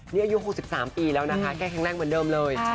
นี่อายุ๖๓ปีแล้วนะคะแกแข็งแรงเหมือนเดิมเลย